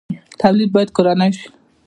تولید باید کورنی شي